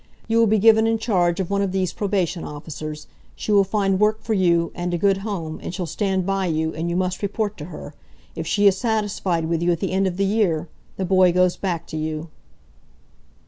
You will be given in charge of one of these probation officers. She will find work for you, and a good home, and she'll stand by you, and you must report to her. If she is satisfied with you at the end of the year, the boy goes back to you."